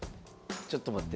ちょっと待って。